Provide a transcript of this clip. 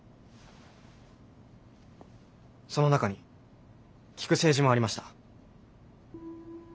その中に聞く政治もありました。